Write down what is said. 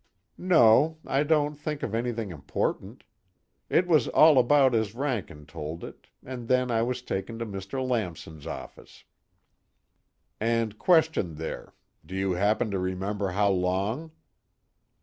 "No, I don't think of anything important. It was all about as Rankin told it, and then I was taken to Mr. Lamson's office." "And questioned there do you happen to remember how long?"